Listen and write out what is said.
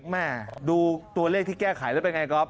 แม่ดูตัวเลขที่แก้ไขแล้วเป็นไงก๊อ